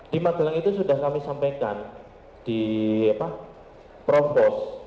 di magelang itu sudah kami sampaikan di provos